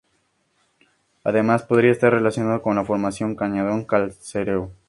Además, podría estar relacionada con la Formación Cañadón Calcáreo.